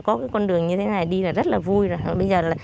có cái con đường như thế này đi là rất là vui